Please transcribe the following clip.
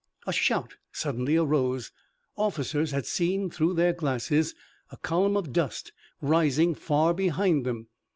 A shout suddenly arose. Officers had seen through their glasses a column of dust rising far behind them.